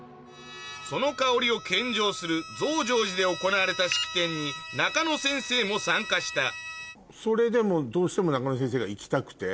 その香りを献上する増上寺で行われた式典に中野先生も参加したそれでもどうしても中野先生が行きたくて？